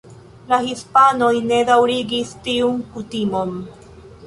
La hispanoj ne daŭrigis tiun kutimon.